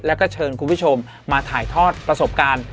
แล้วก็เชิญคุณผู้ชมมาถ่ายทอดประสบการณ์